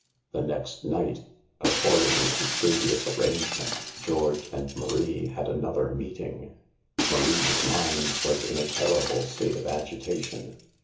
The next night, according to previous ar rangement, George and Marie had another meeting. Marie's mind was in a terrible state of agitation.